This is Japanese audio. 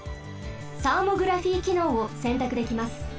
サーモグラフィーきのうをせんたくできます。